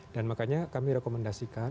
dan makanya kami rekomendasikan